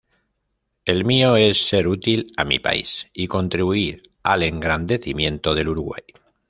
El mío es ser útil a mi país y contribuir al engrandecimiento del Uruguay.